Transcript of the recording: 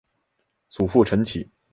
祖父陈启。